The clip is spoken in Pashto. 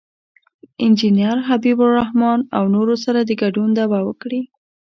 د انجینر حبیب الرحمن او نورو سره د ګډون دعوه وکړي.